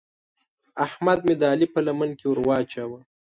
احمد مې د علي په لمن کې ور واچاوو.